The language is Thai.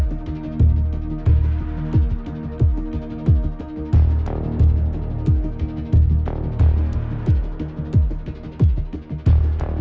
นี่กินหน่อยหน่อยก็ก็เอาไว้เลยเพราะว่าก็ก็ลำบากตั้งนั้นนะเนาะ